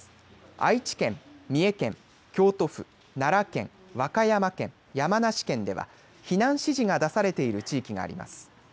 愛知県、三重県、京都府奈良県、和歌山県、山梨県では避難指示が出されている地域があります。